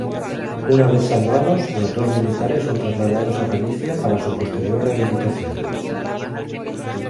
Una vez salvados los dos militares son trasladados a Galicia para su posterior rehabilitación.